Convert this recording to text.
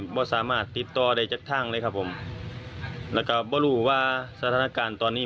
ไม่สามารถติดต่อได้จากทางเลยครับผมแล้วก็ไม่รู้ว่าสถานการณ์ตอนนี้